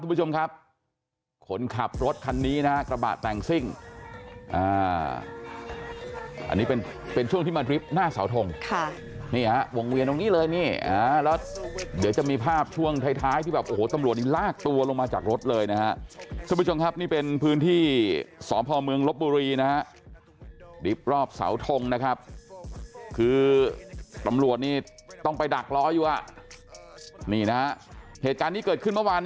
คุณผู้ชมครับคนขับรถคันนี้นะกระบาดแต่งซิ่งอ่าอันนี้เป็นเป็นช่วงที่มาดริฟต์หน้าเสาทงค่ะนี่ฮะวงเวียนตรงนี้เลยนี่อ่าแล้วเดี๋ยวจะมีภาพช่วงท้ายท้ายที่แบบโอ้โหตำรวจนี่ลากตัวลงมาจากรถเลยนะฮะคุณผู้ชมครับนี่เป็นพื้นที่สอบพลเมืองลบบุรีนะฮะดริฟต์รอบเสาทงนะครับคือตำรวจนี่ต้